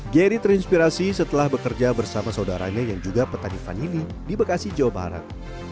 gari terinspirasi setelah bekerja bersama saudaranya yang juga petani vanili di bekasi jawa barat